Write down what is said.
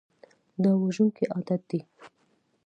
دا وژونکی عادت دی.